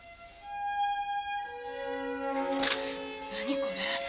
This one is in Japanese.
何これ？